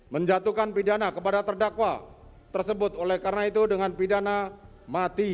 menjatuhkan pidana kepada terdakwa tersebut oleh karena itu dengan pidana mati